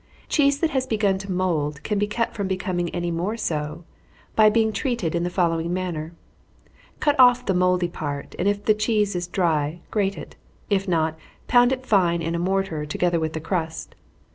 _ Cheese that has begun to mould, can be kept from becoming any more so, by being treated in the following manner: Cut off the mouldy part, and if the cheese is dry, grate it if not, pound it fine in a mortar, together with the crust.